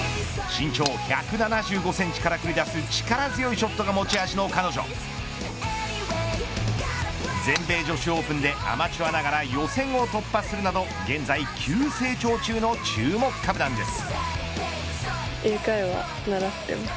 身長１７５センチから繰り出す力強いショットが持ち味の彼女全米女子オープンでアマチュアながら予選を突破するなど現在急成長中の注目株なんです。